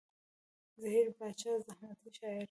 زهير باچا مزاحمتي شاعر دی.